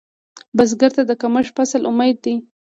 بزګر ته د کښت فصل امید دی